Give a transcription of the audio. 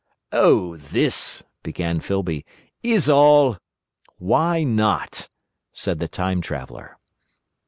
"Oh, this," began Filby, "is all—" "Why not?" said the Time Traveller.